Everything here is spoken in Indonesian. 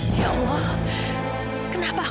ibu tidak berpikir apa saja